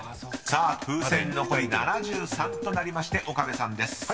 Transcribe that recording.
［さあ風船残り７３となりまして岡部さんです］